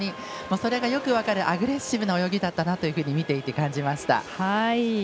それが、よく分かるアグレッシブな泳ぎだったなと見ていて、感じました。